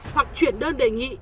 hoặc chuyển đơn đề nghị